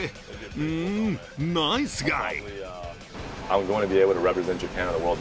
うーん、ナイスガイ！